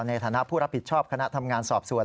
ในฐานะผู้รับผิดชอบคณะทำงานสอบสวน